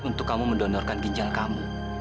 untuk kamu mendonorkan ginjal kamu